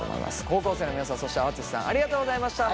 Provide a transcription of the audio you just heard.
高校生の皆さんそしてあああつしさんありがとうございました。